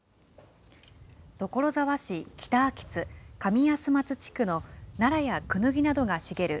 所沢市北秋津・上安松地区のナラやクヌギなどが茂る